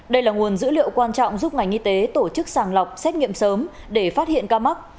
đây là nguồn dữ liệu quan trọng giúp ngành y tế tổ chức sàng lọc xét nghiệm sớm để phát hiện ca mắc